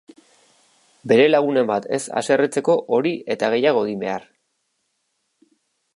Bere lagunen bat ez haserretzeko hori eta gehiago egin behar!